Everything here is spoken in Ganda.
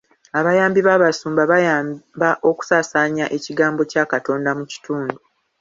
Abayambi b'abasumba bayamba okusaasaanya ekigambo kya Katonda mu kitundu.